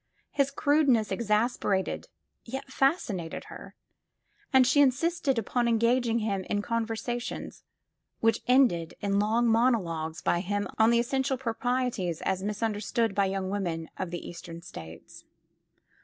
His crudeness exasperated yet fas cinated her, and she insisted upon engaging hun in con versations, which ended in long monologues by him on the essential proprieties as misunderstood by young women of the Eastern States.